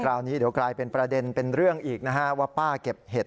คราวนี้เดี๋ยวกลายเป็นประเด็นเป็นเรื่องอีกนะฮะว่าป้าเก็บเห็ด